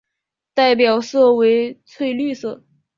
代表色为翠绿色。